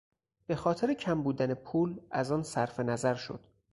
به خاطر کم بودن پول از آن صرفنظر شد.